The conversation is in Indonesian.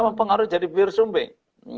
mempengaruhi jadi bibir sumbing